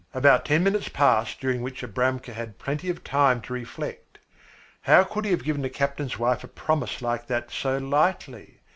About ten minutes passed during which Abramka had plenty of time to reflect. How could he have given the captain's wife a promise like that so lightly?